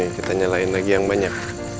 kita nyalain lagi yang banyak